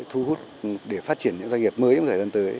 thu hút để phát triển những doanh nghiệp mới trong thời gian tới